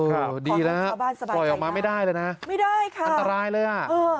ครับดีแล้วปล่อยออกมาไม่ได้เลยนะอันตรายเลยอ่ะขอขอบคุณชาวบ้านสบายใจนะไม่ได้ค่ะ